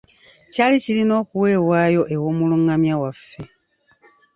Kyali kirina okuweebwayo ew’omulungamya waffe.